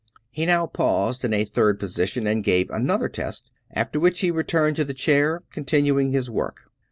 He now paused in a third position and gave another test, after which he returned to the chair, continuing his work.